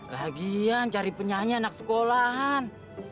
lagian cari penyanyi anak sekolahan